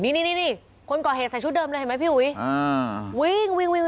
นี่คนก่อเหตุใส่ชุดเดิมเลยเห็นไหมพี่อุ๋ย